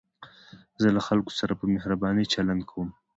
زه له خلکو سره په مهربانۍ چلند کوم.